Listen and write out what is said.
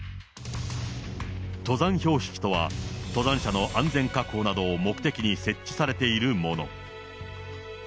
登山標識とは、登山者の安全確保などを目的に設置されているもの。